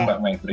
gitu mbak maipri